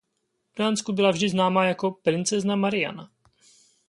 V Dánsku byla vždy známá jako "princezna Mariana".